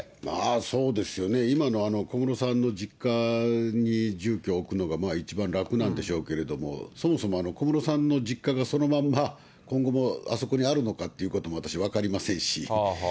そうですよね、今の小室さんの実家に住居を置くのが一番楽なんでしょうけれども、そもそも小室さんの実家が、そのまんま今後もあそこにあるのかっていうことも私、分かりませんし。